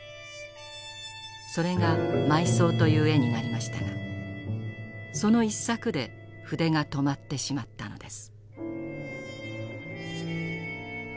それが「埋葬」という絵になりましたがその一作で筆が止まってしまったのです。